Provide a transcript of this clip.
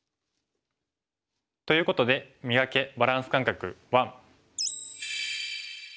ということで「磨け！バランス感覚１」。